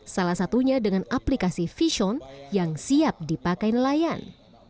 salah satunya dengan aplikasi vision yang siap dipakai nelayan